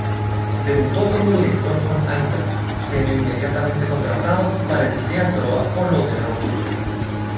Debutó como director con "Aida", siendo inmediatamente contratado para el Teatro Apollo de Roma.